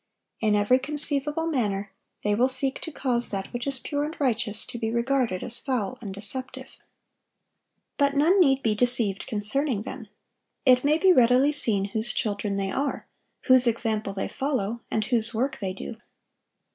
In every conceivable manner they will seek to cause that which is pure and righteous to be regarded as foul and deceptive. But none need be deceived concerning them. It may be readily seen whose children they are, whose example they follow, and whose work they do.